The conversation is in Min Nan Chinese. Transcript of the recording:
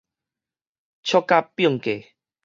笑甲反過